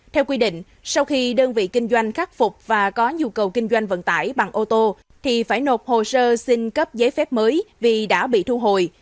theo quy định sau khi đơn vị kinh doanh khắc phục và có nhu cầu kinh doanh vận tải bằng ô tô thì phải nộp hồ sơ xin cấp giấy phép mới vì đã bị thu hồi